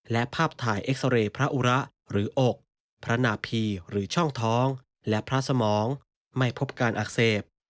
และภาพถ่ายเอ็กซอเรย์พระอุระหรืออกพระนาพีหรือช่องท้องและพระสมองไม่พบการอักเสบ